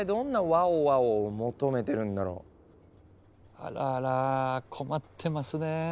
あらら困ってますね。